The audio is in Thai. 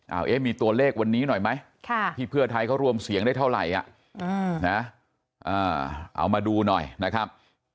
เอาเอ๊ะมีตัวเลขวันนี้หน่อยไหมที่เพื่อไทยเขารวมเสียงได้เท่าไหร่เอามาดูหน่อยนะครับ